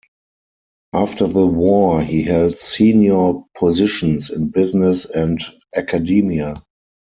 After the war he held senior positions in business and academia.